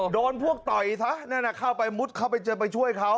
โดนพวกต่อยซะนั่นเข้าไปมุดเข้าไปเจอไปช่วยเขา